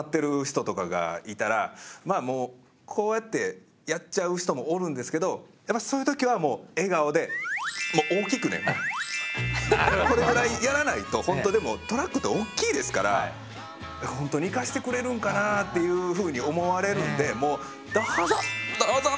こうやってやっちゃう人もおるんですけどそういう時はこれぐらいやらないと本当でもトラックって大きいですから本当に行かせてくれるんかなっていうふうに思われるんでもう「どうぞ！どうぞ！」